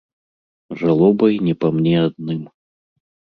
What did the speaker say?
Жалобай не па мне адным.